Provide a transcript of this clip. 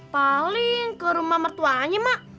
paling ke rumah mertuanya mak